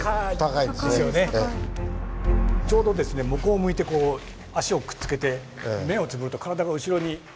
ちょうど向こう向いてこう足をくっつけて目をつぶると体が後ろに。